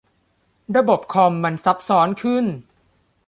ระบบคอมมันซับซ้อนขึ้น